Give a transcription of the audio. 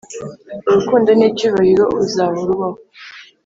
urukundo n'icyubahiro uzahora ubaho.